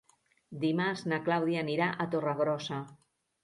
Dimarts na Clàudia anirà a Torregrossa.